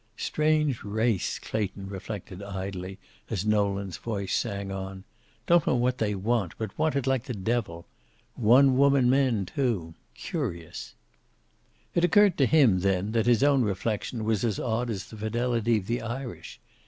"Strange race," Clayton reflected idly, as Nolan's voice sang on. "Don't know what they want, but want it like the devil. One woman men, too. Curious!" It occurred to him then that his own reflection was as odd as the fidelity of the Irish.